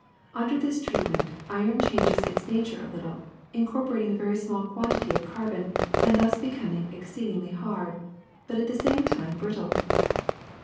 Under this treatment iron changes its nature a little, incorporating a very small quantity of carbon and thus becoming exceedingly hard, but at the same time brittle.